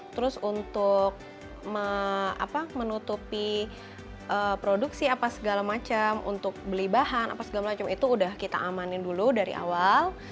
terus untuk menutupi produksi apa segala macam untuk beli bahan apa segala macam itu udah kita amanin dulu dari awal